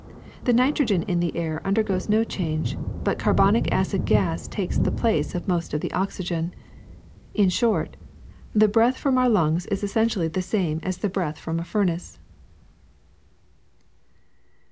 The nitrogen in the air undergoes no change, but carbonic acid gas takes the place of most of the oxygen. In short, the breath from our lungs is essentially the same as the breath from a furnace.